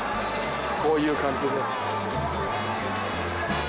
こういう感じです。